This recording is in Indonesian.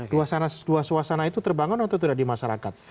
dua suasana itu terbangun atau tidak di masyarakat